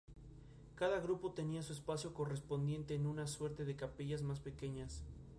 Este pendón ha sido considerado históricamente la bandera de la ciudad de Sevilla.